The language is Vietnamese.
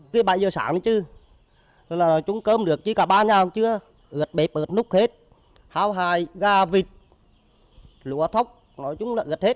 cứ bảy giờ sáng chứ chúng cơm được chỉ cả ba nhau chứ ướt bếp ướt nút hết hào hài gà vịt lúa thóc nói chúng là ướt hết